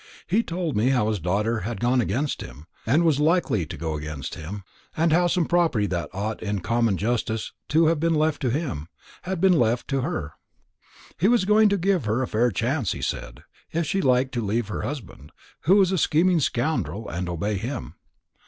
He told me how his daughter had gone against him, and was likely to go against him, and how some property that ought in common justice to have been left to him, had been left to her. He was going to give her a fair chance, he said, if she liked to leave her husband, who was a scheming scoundrel, and obey him.